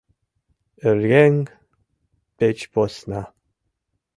Оръеҥ деч посна.